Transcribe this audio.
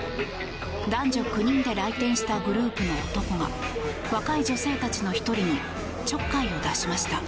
男女９人で来店したグループの男が若い女性たちの１人にちょっかいを出しました。